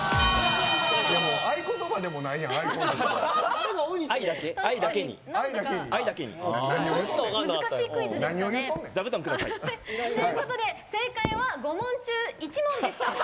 あいことばでもないやん。ということで正解は５問中１問でした。